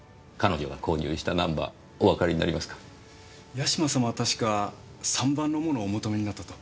八島様は確か３番のものをお求めになったと。